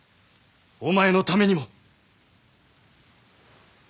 お前のためにも。